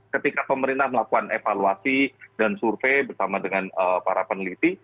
ketika pemerintah melakukan evaluasi dan survei bersama dengan para peneliti